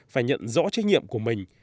phải nhận rõ trách nhiệm của mình